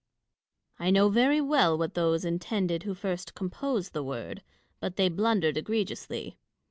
I know very well what those intended w^io first composed the word ; but they blundered egregiously.